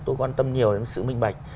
tôi quan tâm nhiều đến sự minh bạch